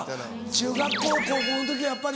中学校高校の時はやっぱり。